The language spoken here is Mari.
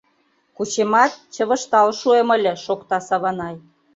Кучемат, чывыштал шуэм ыле, — шокта Саванай.